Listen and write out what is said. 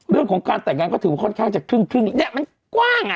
เรื่องของการแต่งงานก็ถือว่าค่อนข้างจะครึ่งเนี่ยมันกว้างอ่ะ